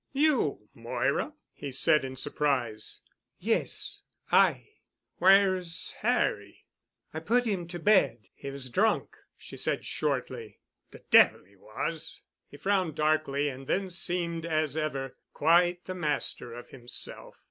"You! Moira," he said in surprise. "Yes, I——" "Where's Harry?" "I put him to bed. He was drunk," she said shortly. "The devil he was!" He frowned darkly and then seemed as ever, quite the master of himself.